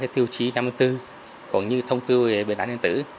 tiêu chí năm mươi bốn còn như thông tư bệnh lãnh nhân tử